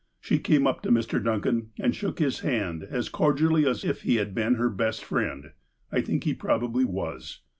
She came up to Mr. Duncan, and shook his hand as cordially as if he had been her best friend. I think he probably was.